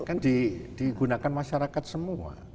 kan digunakan masyarakat semua